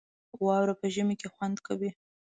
واوره په ژمي کې خوند کوي